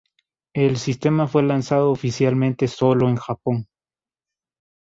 El sistema fue lanzado oficialmente solo en Japón.